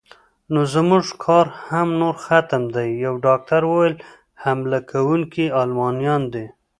نو زموږ کار هم نور ختم دی، یو ډاکټر وویل: حمله کوونکي المانیان دي.